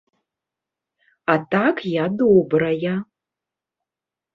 А так я добрая!